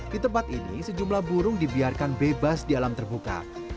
di tempat ini sejumlah burung dibiarkan bebas di alam terbuka